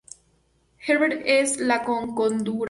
Herbert es la co-conductora.